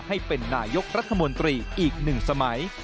ให้เป็นนายกรัฐมนตรีอีกหนึ่งสมัย